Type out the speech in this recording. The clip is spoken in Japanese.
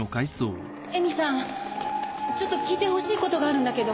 詠美さんちょっと聞いてほしいことがあるんだけど。